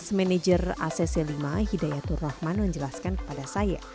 manager acc lima hidayatul rahman menjelaskan kepada saya